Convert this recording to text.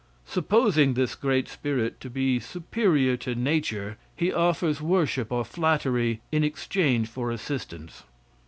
Supposing this great spirit to be superior to nature, he offers worship or flattery in exchange for assistance.